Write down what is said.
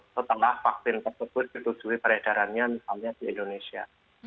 setelah vaksin tersebut ditutupi beredarannya misalnya di indonesia